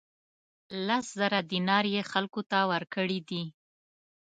لس زره دینار یې خلکو ته ورکړي دي.